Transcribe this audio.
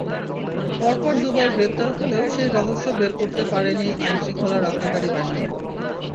পরপর দুবার গ্রেপ্তার হলেও সেই রহস্য বের করতে পারেনি আইনশৃঙ্খলা রক্ষাকারী বাহিনী।